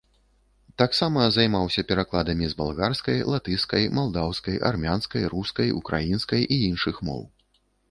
Таксама займаўся перакладамі з балгарскай, латышскай, малдаўскай, армянскай, рускай, украінскай і іншых моў.